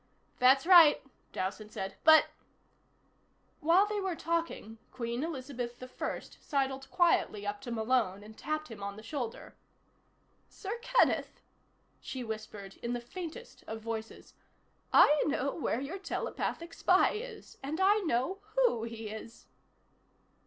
"That's right," Dowson said. "But " While they were talking, Queen Elizabeth I sidled quietly up to Malone and tapped him on the shoulder. "Sir Kenneth," she whispered in the faintest of voices, "I know where your telepathic spy is. And I know who he is."